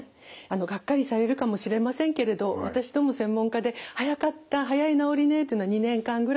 がっかりされるかもしれませんけれど私ども専門家で早かった早い治りねっていうのは２年間ぐらいかかっています。